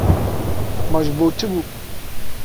Ma ji bo çi bû?